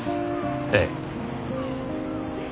ええ。